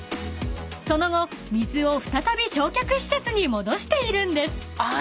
［その後水を再び焼却施設に戻しているんです］